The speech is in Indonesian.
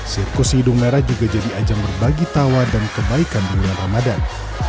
sirkus hidung merah juga jadi ajang berbagi tawa dan kebaikan di bulan ramadan